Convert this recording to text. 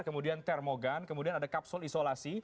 kemudian termogan kemudian ada kapsul isolasi